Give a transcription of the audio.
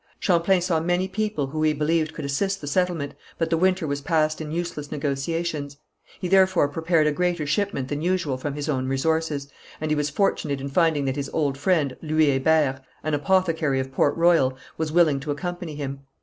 Champlain saw many people who he believed could assist the settlement, but the winter was passed in useless negotiations. He therefore prepared a greater shipment than usual from his own resources, and he was fortunate in finding that his old friend, Louis Hébert, an apothecary of Port Royal, was willing to accompany him.